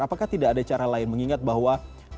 apakah tidak ada cara lain mengingat bahwa